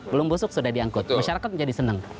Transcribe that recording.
belum busuk sudah diangkut masyarakat menjadi senang